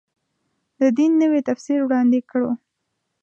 د دین نوی تفسیر وړاندې کړو.